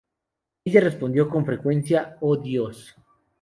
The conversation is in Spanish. Ella respondió con frecuencia: "¡Oh, Dios!